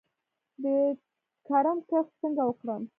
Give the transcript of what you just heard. د کرم کښت څنګه وکړم؟